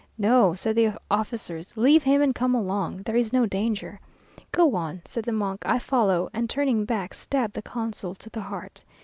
"No," said the officers, "leave him and come along. There is no danger." "Go on," said the monk, "I follow;" and, turning back, stabbed the consul to the heart.